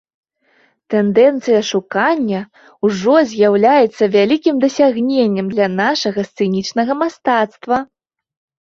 Тэндэнцыя шукання ўжо з'яўляецца вялікім дасягненнем для нашага сцэнічнага мастацтва.